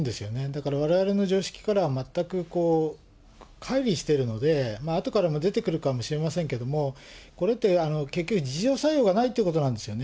だからわれわれの常識からは全くこう、かい離してるので、あとからも出てくるかもしれませんけれども、これって、結局自浄作用がないということなんですよえ。